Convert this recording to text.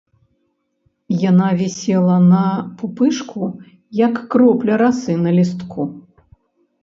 Яна вісела на пупышку, як кропля расы на лістку.